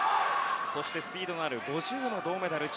そしてスピードがある５０ｍのメダリスト